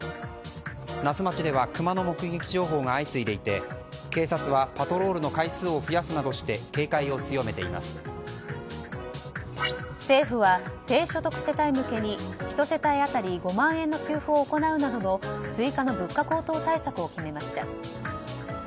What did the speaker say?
那須町ではクマの目撃情報が相次いでいて警察はパトロールの回数を増やすなどして政府は低所得世帯向けに１世帯当たり５万円の給付を行うなどの追加の物価高騰対策を決めました。